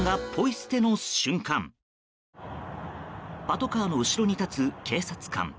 パトカーの後ろに立つ警察官。